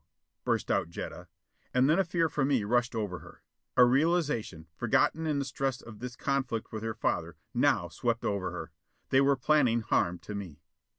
burst out Jetta. And then a fear for me rushed over her. A realization, forgotten in the stress of this conflict with her father, now swept over her. They were planning harm to me.